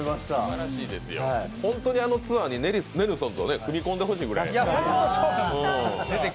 本当にあのツアーにネルソンズと組みこんでほしいくらい。